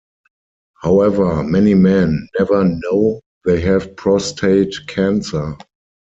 However, many men never know they have prostate cancer.